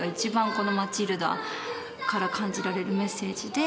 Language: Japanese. この『マチルダ』から感じられるメッセージで。